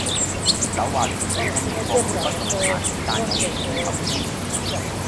葉劉話自己喺美國冇不動產但有美股投資